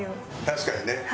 確かにね。